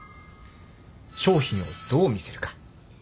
商品をどう見せるか。